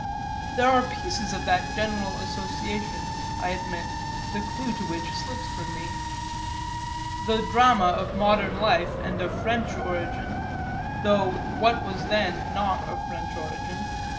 There are pieces of that general association, I admit, the clue to which slips from me; the drama of modern life and of French origin though what was then not of French origin?